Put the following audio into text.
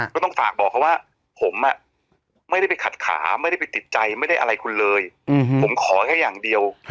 ก็ต้องฝากบอกเขาว่าผมไม่ได้ไปขัดขาไม่ได้ติดใจอะไรคุณเลย